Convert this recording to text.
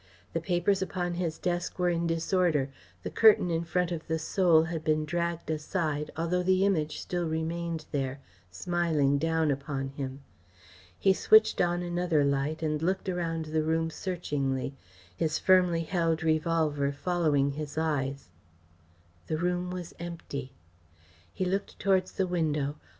The papers upon his desk were in disorder, the curtain in front of the Soul had been dragged aside, although the Image still remained there, smiling down upon him. He switched on another light and looked round the room searchingly, his firmly held revolver following his eyes. The room was empty. He looked towards the window.